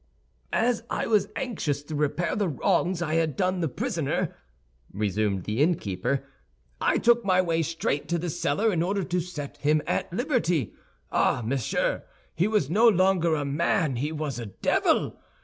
"As I was anxious to repair the wrongs I had done the prisoner," resumed the innkeeper, "I took my way straight to the cellar in order to set him at liberty. Ah, monsieur, he was no longer a man, he was a devil!